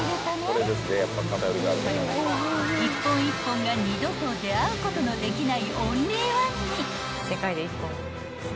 ［一本一本が二度と出合うことのできないオンリーワンに］